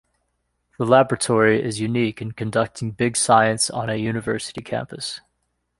The laboratory is unique in conducting big science on a university campus.